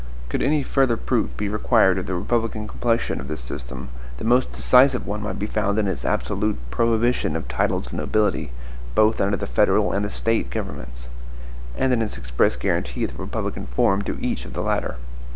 Could any further proof be required of the republican complexion of this system, the most decisive one might be found in its absolute prohibition of titles of nobility, both under the federal and the State governments; and in its express guaranty of the republican form to each of the latter.